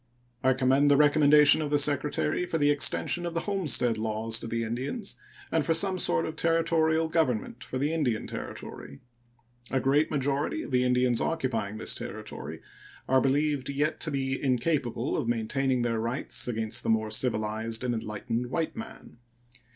I commend the recommendation of the Secretary for the extension of the homestead laws to the Indians and for some sort of Territorial government for the Indian Territory. A great majority of the Indians occupying this Territory are believed yet to be incapable of maintaining their rights against the more civilized and enlightened white man.